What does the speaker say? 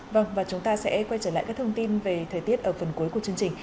vâng và chúng ta sẽ quay trở lại các thông tin về thời tiết ở phần cuối của chương trình